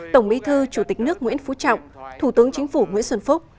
tổng bí thư chủ tịch nước nguyễn phú trọng thủ tướng chính phủ nguyễn xuân phúc